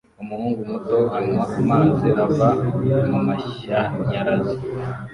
umuhungu muto anywa amazi ava mumashanyarazi